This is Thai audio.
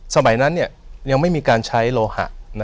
สมัยนั้นยังไม่มีการใช้โลหะ